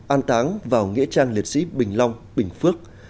an táng vào nghĩa trang liệt sĩ bình long bình phước